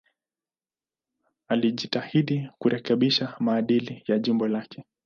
Alijitahidi kurekebisha maadili ya jimbo lake.